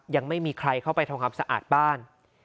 ยังไม่มีใครเข้าไปทำความสะอาดบ้าน